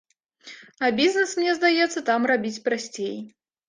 А бізнес, мне здаецца, там рабіць прасцей.